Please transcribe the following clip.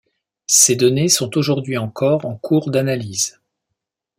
Ces données sont aujourd'hui encore en cours d'analyse.